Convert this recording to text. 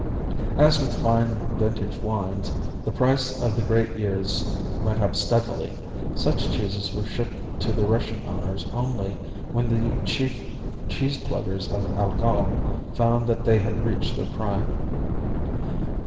As with fine vintage wines, the price of the great years went up steadily. Such cheeses were shipped to their Russian owners only when the chief cheese pluggers of Allgäu found they had reached their prime.